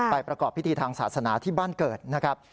ประกอบพิธีทางศาสนาที่บ้านเกิดนะครับ